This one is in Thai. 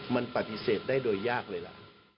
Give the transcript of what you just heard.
มันปฏิเสธได้โดยยากเลยล่ะ